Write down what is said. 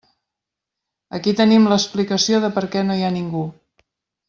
Aquí tenim l'explicació de per què no hi ha ningú.